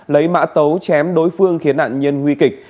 lấy mã tấu chém đối phương khiến nạn nhân nguy kịch